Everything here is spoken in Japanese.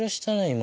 今。